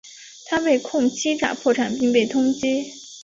他被控欺诈破产并被通缉。